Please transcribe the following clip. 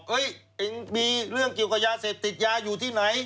มีเรื่องเกี่ยวกับยาเสพติดยาอยู่ที่ไหน